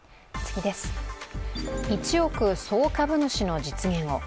一億総株主の実現を。